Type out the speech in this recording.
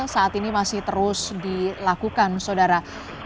saat ini masih terus dilakukan saudara